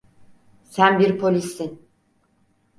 Sen bir polissin.